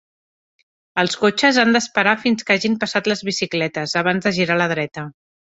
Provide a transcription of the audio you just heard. Els cotxes han d'esperar fins que hagin passat les bicicletes, abans de girar a la dreta.